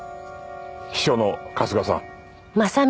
秘書の春日さん。